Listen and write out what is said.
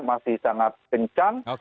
masih sangat kencang